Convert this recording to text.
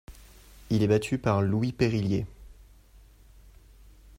Il est battu par Louis Périllier.